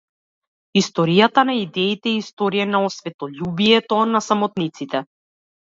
Историјата на идеите е историја на осветољубието на самотниците.